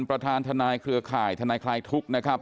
ประธานทนายเครือข่ายทนายคลายทุกข์นะครับ